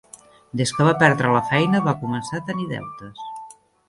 Des que va perdre la feina, va començar a tenir deutes.